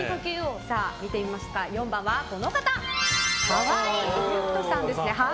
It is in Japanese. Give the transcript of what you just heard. ４番は、河合郁人さんです。